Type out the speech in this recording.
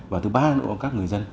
và thứ ba nữa là các người dân